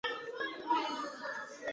芬里尔是邪神洛基。